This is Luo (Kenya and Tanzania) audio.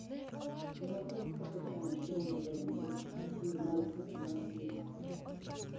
Ji mathoth koso chamo chiemo maber nikech marufuk mar wuok oko.